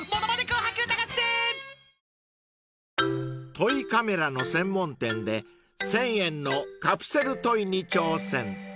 ［トイカメラの専門店で１，０００円のカプセルトイに挑戦］